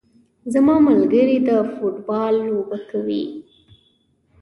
زما ملګري د فوټبال لوبه کوي